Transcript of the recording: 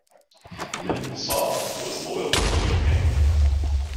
Min Saw was loyal to the new king.